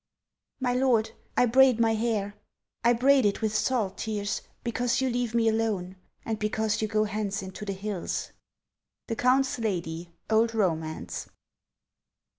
My lord, I braid my hair ; I braid it with salt tears because you leave me alone, and because you go hence into the hills. — The Count's Lady (Old Romance).